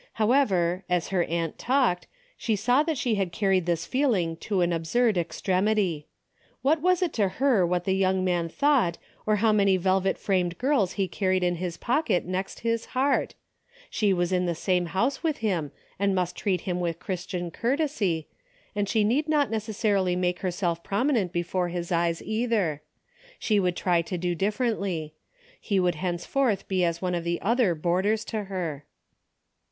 However, as her aunt talked, she saw that she had carried this feeling to an absurd extremity. AVhat was it to her what the young man thought, or how many velvet framed girls he carried in his pocket next his heart ? She was in the same house with him and must treat him Avith Christian courtesy, and she need not neces sarily make herself prominent before his eyes either. She Avould try to do differently. He should henceforth be as one of the other boarders to her.